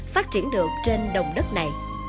phát triển được trên đồng đất này